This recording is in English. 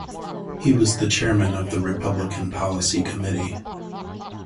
There he was Chairman of the Republican Policy Committee.